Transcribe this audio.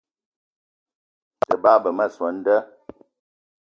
Te bagbe ma soo an da